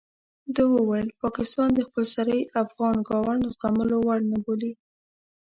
ده وویل پاکستان د خپل سرۍ افغان ګاونډ زغملو وړ نه بولي.